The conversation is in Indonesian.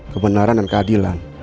kebenaran dan keadilan